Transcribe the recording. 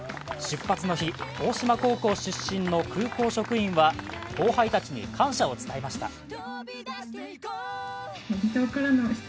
出発の日、大島高校出身の空港職員は後輩たちに感謝を伝えました。